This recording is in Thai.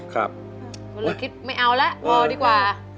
ก็เลยคิดไม่เอาแล้วพอดีกว่า